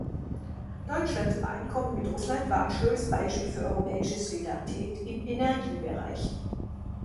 Deutschlands Übereinkommen mit Russland war ein schönes Beispiel für europäische Solidarität im Energiebereich.